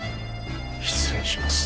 失礼します。